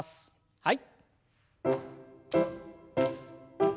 はい。